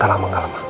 gak lama gak lama